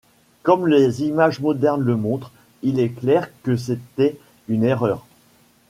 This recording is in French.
Comme les images modernes le montrent, il est clair que c'était une erreur.